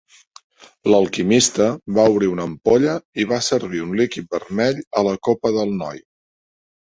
L'alquimista va obrir una ampolla i va servir un líquid vermell a la copa del noi.